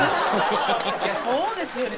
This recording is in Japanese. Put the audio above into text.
そうですよね。